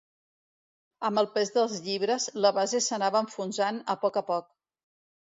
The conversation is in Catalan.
Amb el pes dels llibres, la base s'anava enfonsant a poc a poc.